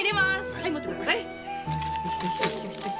はい持ってください。